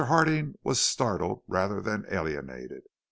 Harding was startled rather than alienated.